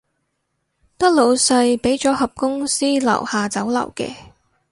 得老細畀咗盒公司樓下酒樓嘅